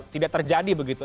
tidak terjadi begitu